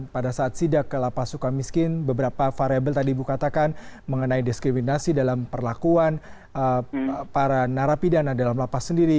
pada saat sidak ke lapas suka miskin beberapa variable tadi ibu katakan mengenai diskriminasi dalam perlakuan para narapidana dalam lapas sendiri